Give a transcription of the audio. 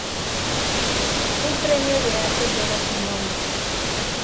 Un Premio de Arte lleva su nombre.